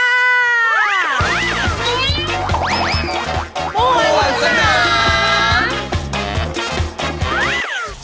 ปวดสนาม